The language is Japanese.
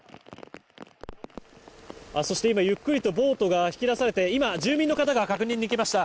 そして今、ゆっくりとボートが引き出されて今、住民の方が確認できました。